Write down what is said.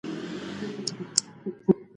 توپک له استاد ژوند اخلي.